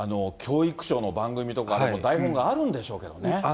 教育省の番組とか、台本があるんでしょうけどね。